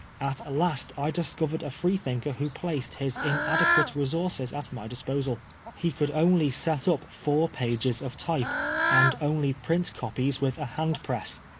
At last I discovered a Freethinker who placed his inadequate resources at my disposal. He could only set up four pages of type, and only print copies with a hand press.